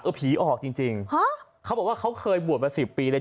ผีออกจริงจริงฮะเขาบอกว่าเขาเคยบวชมาสิบปีเลย